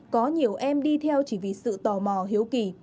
có nhiều em đi theo chỉ vì sự tò mò hiếu kỳ